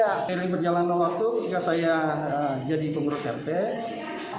pada saat berjalan ke waktu jika saya jadi pemerintah rp